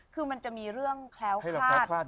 คือมันจะมีเรื่องแคล้วคลาด